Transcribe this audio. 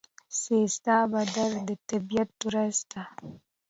سیزده بدر د طبیعت ورځ ده.